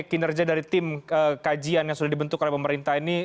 kinerja dari tim kajian yang sudah dibentuk oleh pemerintah ini